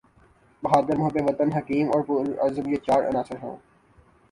بہادر، محب وطن، حکیم اور پرعزم یہ چار عناصر ہوں۔